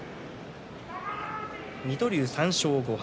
水戸龍、３勝５敗。